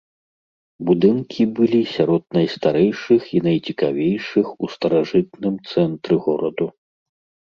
Будынкі былі сярод найстарэйшых і найцікавейшых у старажытным цэнтры гораду.